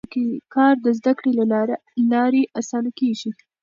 کار د زده کړې له لارې اسانه کېږي